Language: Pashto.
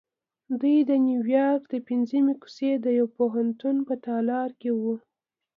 دوی د نیویارک د پنځمې کوڅې د یوه پوهنتون په تالار کې وو